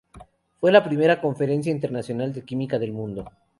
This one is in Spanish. Fue la primera conferencia internacional de química del mundo.